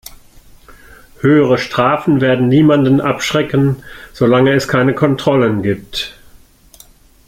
Höhere Strafen werden niemanden abschrecken, solange es keine Kontrollen gibt.